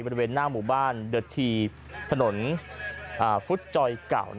บริเวณหน้าหมู่บ้านเดอร์ทีถนนฟุตจอยเก่า